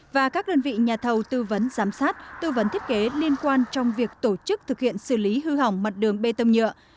và các đơn vị nhà thầu tư vấn giám sát tư vấn thiết kế liên quan trong việc tổ chức thực hiện xử lý hư hỏng mặt đường bê tông nhựa